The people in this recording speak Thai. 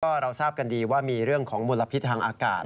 ก็เราทราบกันดีว่ามีเรื่องของมลพิษทางอากาศ